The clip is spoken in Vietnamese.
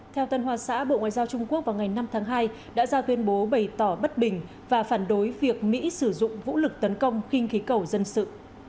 theo tân hoa xã bộ ngoại giao trung quốc vào ngày năm tháng hai đã ra tuyên bố bày tỏ bất bình và phản đối việc mỹ sử dụng vũ lực tấn công khinh khí cầu dân sự